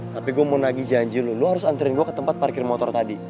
tapi gue mau nagih janji lu harus antrian gue ke tempat parkir motor tadi